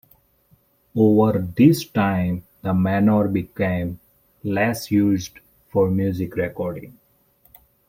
Over this time the manor became less used for music recording.